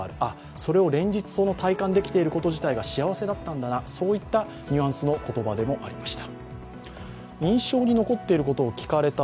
それを連日、その体感できていることが幸せだったんだな、そういったニュアンスの言葉でもありました。